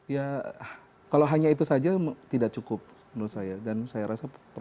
ya kalau hanya itu saja tidak cukup menurut saya dan saya rasa perlu